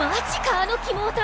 あのキモオタ！